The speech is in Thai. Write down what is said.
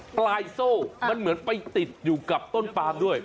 โซ่มันเหมือนไปติดอยู่กับต้นปามด้วย